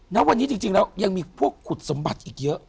ณวันนี้จริงแล้วยังมีพวกขุดสมบัติอีกเยอะ